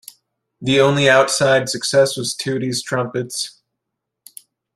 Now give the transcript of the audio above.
The only outside success was "Tutti's Trumpets".